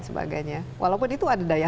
sebagainya walaupun itu ada daya